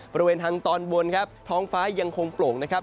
บริเวณทางตอนบนครับท้องฟ้ายังคงโปร่งนะครับ